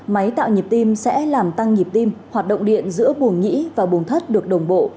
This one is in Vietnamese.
máy tạo nhịp tim sẽ làm tăng nhịp tim hoạt động điện giữa buồng nhĩ và bùn thất được đồng bộ